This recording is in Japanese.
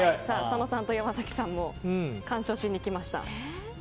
佐野さんと山崎さんも鑑賞しに来ました。